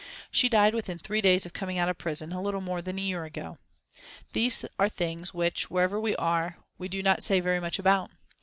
She died within three days of coming out of prison, a little more than a year ago. These are things which, wherever we are, we do not say very much about.